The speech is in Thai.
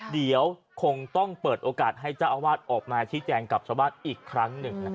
เดี๋ยวคงต้องเปิดโอกาสให้เจ้าอาวาสออกมาชี้แจงกับชาวบ้านอีกครั้งหนึ่ง